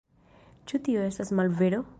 Ĉu tio estas malvero?